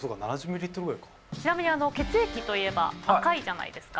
ちなみにあの血液といえば赤いじゃないですか。